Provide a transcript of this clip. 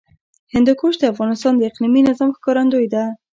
هندوکش د افغانستان د اقلیمي نظام ښکارندوی ده.